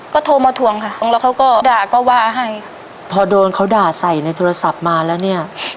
ก็โทรมาทวงค่ะแล้วเขาก็ด่าก็ว่าให้พอโดนเขาด่าใส่ในโทรศัพท์มาแล้วเนี่ย